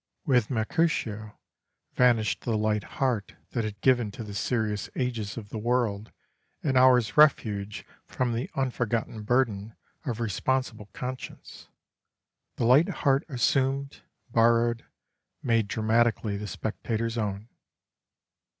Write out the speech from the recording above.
With Mercutio, vanished the light heart that had given to the serious ages of the world an hour's refuge from the unforgotten burden of responsible conscience; the light heart assumed, borrowed, made dramatically the spectator's own.